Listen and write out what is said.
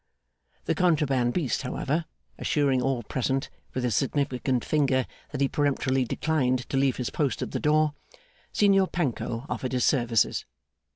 The contraband beast, however, assuring all present, with his significant finger, that he peremptorily declined to leave his post at the door, Signor Panco offered his services.